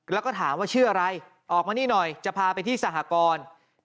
แล้วก็ถามว่าชื่ออะไรออกมานี่หน่อยจะพาไปที่สหกร